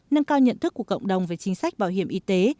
nâng cao nhận thức của cộng đồng về chính sách bảo hiểm y tế